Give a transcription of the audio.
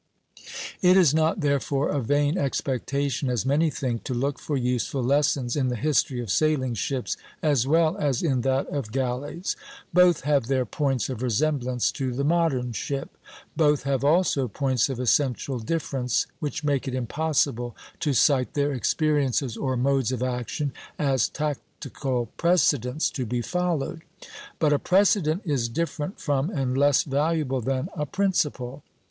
It is not therefore a vain expectation, as many think, to look for useful lessons in the history of sailing ships as well as in that of galleys. Both have their points of resemblance to the modern ship; both have also points of essential difference, which make it impossible to cite their experiences or modes of action as tactical precedents to be followed. But a precedent is different from and less valuable than a principle.